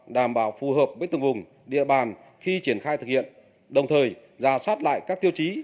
đảm bảo phù hợp với từng vùng địa bàn khi triển khai thực hiện đồng thời giả soát lại các tiêu chí